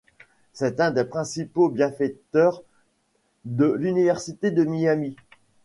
C'est un des principaux bienfaiteurs de l'Université de Miami.